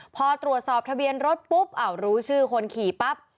พอตรวจสอบทะเบียนรถปุ๊บรู้ชื่อคนขี่ปั๊บ